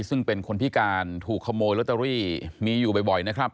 ซึ่งเป็นคนพิการถูกขโมยลอตเตอรี่มีอยู่บ่อยนะครับ